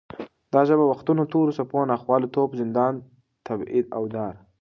دا ژبه د وختونو تورو څپو، ناخوالو، توپ، زندان، تبعید او دار